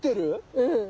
うん。